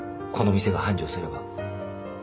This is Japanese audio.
この店が繁盛すれば。